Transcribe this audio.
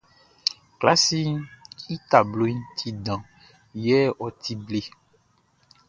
Klasiʼn i tabloʼn ti dan yɛ ɔ ti ble.